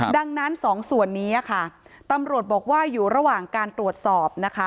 ดังนั้นสองส่วนนี้ค่ะตำรวจบอกว่าอยู่ระหว่างการตรวจสอบนะคะ